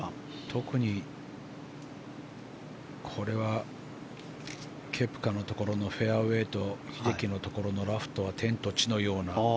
特にこれはケプカのところのフェアウェーと英樹のところのラフとは天と地のような。